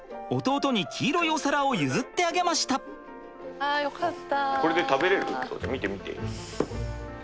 あよかった。